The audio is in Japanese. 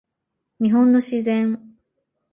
日本の自然